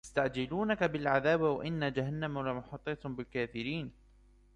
يستعجلونك بالعذاب وإن جهنم لمحيطة بالكافرين